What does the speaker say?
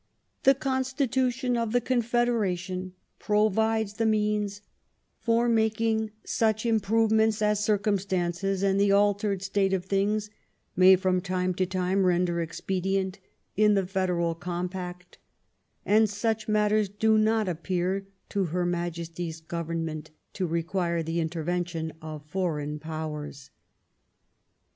The constitntton of the Confederation proYides the meanB for making such improyements as oironmstances and the altered state of things may from time to time render expedient in the Federal com pact ; and such matters do not appear to Her Majesty's Goyemment to require the interrention of Foreign Powers.